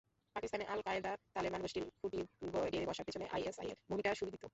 পাকিস্তানে al Qaeda, Taliban গোষ্ঠীর খুঁটি গেড়ে বসার পেছনে আইএসআইয়ের ভূমিকা সুবিদিত।